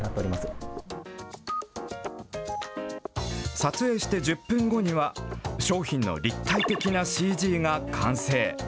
撮影して１０分後には、商品の立体的なＣＧが完成。